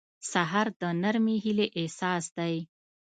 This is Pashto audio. سهار د نرمې هیلې احساس دی.